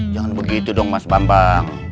jangan begitu dong mas bambang